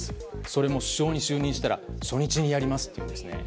それも首相に就任したら初日にやりますということですね。